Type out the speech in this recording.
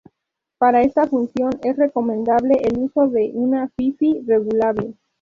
Para esta función es recomendable el uso de una fifi regulable.